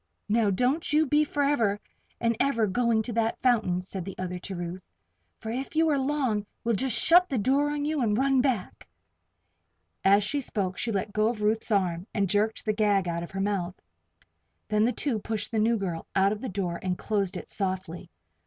"Now, don't you be forever and ever going to that fountain," said the other to Ruth. "For if you are long, we'll just shut the door on you and run back." As she spoke she let go of Ruth's arm and jerked the gag out of her mouth. Then the two pushed the new girl out of the door and closed it softly.